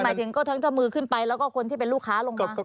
หมายถึงก็ทั้งเจ้ามือขึ้นไปแล้วก็คนที่เป็นลูกค้าลงมา